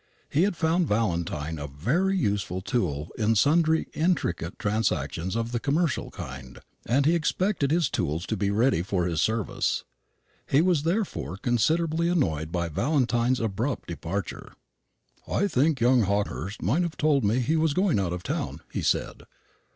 He had found Valentine a very useful tool in sundry intricate transactions of the commercial kind, and he expected his tools to be ready for his service. He was therefore considerably annoyed by Valentine's abrupt departure. "I think young Hawkehurst might have told me he was going out of town," he said.